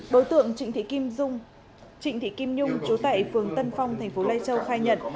bối tượng trịnh thị kim nhung trụ tại phường tân phong tp lai châu khai nhận